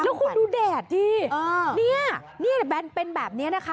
แล้วคุณดูแดดสิเนี่ยนี่แบนเป็นแบบนี้นะคะ